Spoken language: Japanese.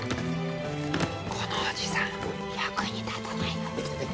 このおじさん役に立たないよ